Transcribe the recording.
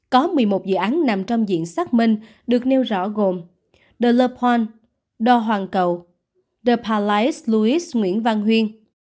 có một mươi một dự án nằm trong diện xác minh được nêu rõ gồm the le pond the hoàng cầu the palace louis nguyễn văn huyên